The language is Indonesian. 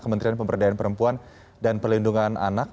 kementerian pemberdayaan perempuan dan pelindungan anak